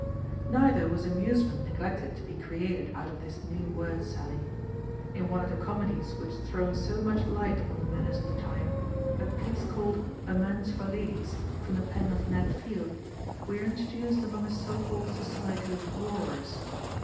Neither was amusement neglected to be created out of this new word sally. In one of the comedies which throw so much light upon the manners of the time, a piece called 'Amends for Ladies,' from the pen of Nat Field, we are introduced among a so called society of roarers.